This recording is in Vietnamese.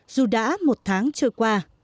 dù đã một tháng trôi qua